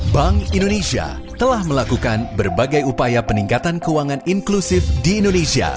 bank indonesia telah melakukan berbagai upaya peningkatan keuangan inklusif di indonesia